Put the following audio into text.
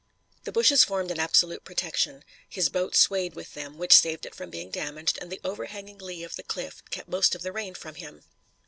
The bushes formed an absolute protection. His boat swayed with them, which saved it from being damaged, and the overhanging lee of the cliff kept most of the rain from him.